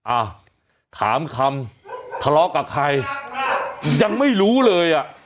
อ่ะถามคำทะเลาะกับใครยังไม่รู้เลยอ่ะ